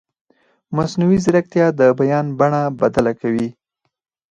مصنوعي ځیرکتیا د بیان بڼه بدله کوي.